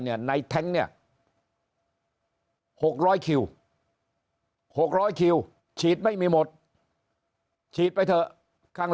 ในแท้งเนี่ย๖๐๐คิว๖๐๐คิวฉีดไม่มีหมดฉีดไปเถอะข้าง